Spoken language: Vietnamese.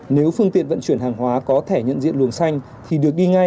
nếu phương tiện vận chuyển hàng hóa có thẻ nhận diện luồng xanh thì được đi ngay